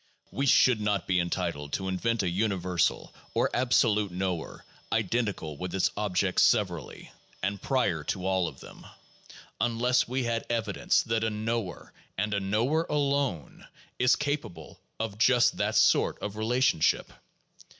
We should not be entitled to invent a universal or absolute knower, identical with its objects severally, and prior to all of them, unless we had evidence that a knower, and a knower alone, is capable of just that sort of relationship.